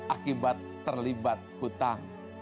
akibat terlibat hutang